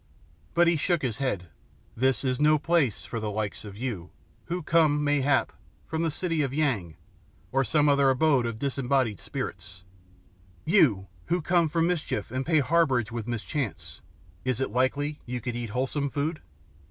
But he shook his head. "This is no place for the likes of you, who come, mayhap, from the city of Yang or some other abode of disembodied spirits you, who come for mischief and pay harbourage with mischance is it likely you could eat wholesome food?"